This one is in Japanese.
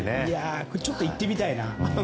ちょっと行ってみたいな。